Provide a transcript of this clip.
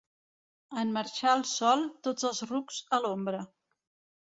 En marxar el sol, tots els rucs a l'ombra.